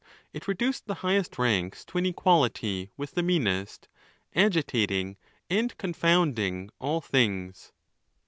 It reduced the highest ranks to an equality with the meanest, agitating and confounding all things.